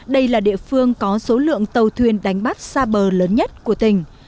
đây là địa phương có số lượng tàu thuyền đánh bắt xa bờ lớn nhất của tỉnh